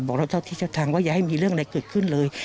เราเจ้าที่เจ้าทางว่าอย่าให้มีเรื่องอะไรเกิดขึ้นเลย